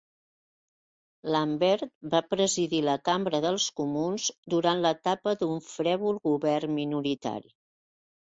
Lambert va presidir la Cambra dels Comuns durant l'etapa d'un frèvol govern minoritari.